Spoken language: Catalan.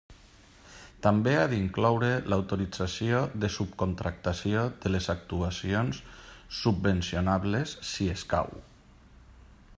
També ha d'incloure l'autorització de subcontractació de les actuacions subvencionables, si escau.